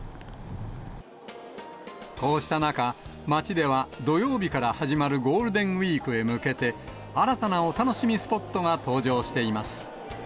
こうした中、街では、土曜日から始まるゴールデンウィークへ向けて、新たなお楽しみスポットが登場しています。